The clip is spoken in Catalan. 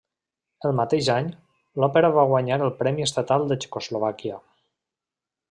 El mateix any, l'òpera va guanyar el Premi Estatal de Txecoslovàquia.